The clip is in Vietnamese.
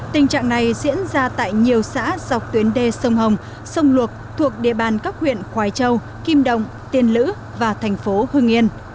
tình trạng này diễn ra tại nhiều xã dọc tuyến đê sông hồng sông luộc thuộc địa bàn các huyện khói châu kim động tiên lữ và thành phố hưng yên